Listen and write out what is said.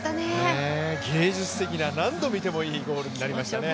芸術的な、何度見てもいいゴールになりましたね。